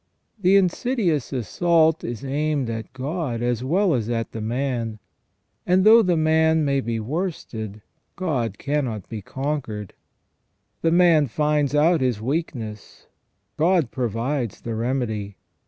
The insidious assault is aimed at God as well as at the AND THE REDEMPTION OF CHRIST 295 man; and though the man may be worsted, God cannot be conquered. The man finds out his weakness ; God provides the remedy.